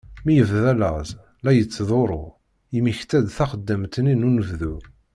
Mi yebda llaẓ la t-yettḍurru, yemmekta-d taxeddamt-nni n unebdu.